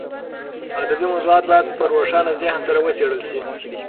ادبي موضوعات باید په روښانه ذهن سره وڅېړل شي.